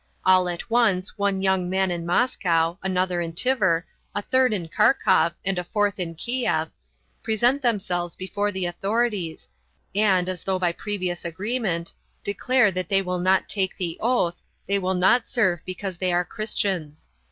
All at once one young man in Moscow, another in Tver, a third in Kharkov, and a fourth in Kiev present themselves before the authorities, and, as though by previous agreement, declare that they will not take the oath, they will not serve because they are Christians.